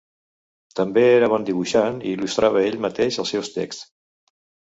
També era bon dibuixant i il·lustrava ell mateix els seus texts.